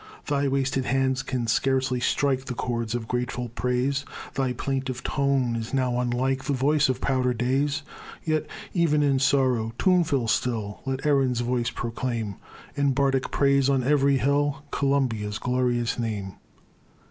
Thy wasted hands can scarcely strike The chords of grateful praise, Thy plaintive tone is now unlike The voice of prouder days; Yet, e'en in sorrow, tuneful still, Let Erin's voice proclaim In bardic praise on ev'ry hill Columbia's glorious name.